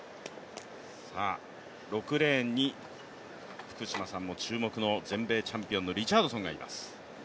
６レーンに福島さん注目の全米チャンピオンのリチャードソンがいます。